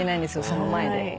その前で。